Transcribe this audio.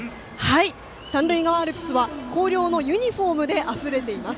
三塁側アルプスは広陵のユニフォームであふれています。